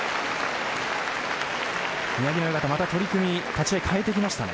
宮城野親方、また取組立ち合い変えてきましたね。